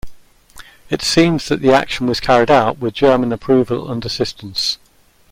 It seems that the action was carried out with German approval and assistance.